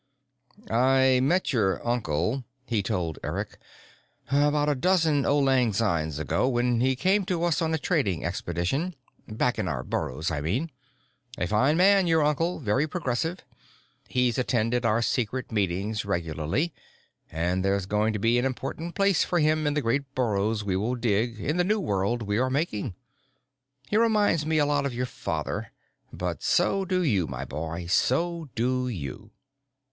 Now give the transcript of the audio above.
"I met your uncle," he told Eric, "about a dozen auld lang synes ago, when he came to us on a trading expedition back in our burrows, I mean. A fine man, your uncle, very progressive. He's attended our secret meetings regularly, and there's going to be an important place for him in the great burrows we will dig, in the new world we are making. He reminds me a lot of your father. But so do you, my boy, so do you."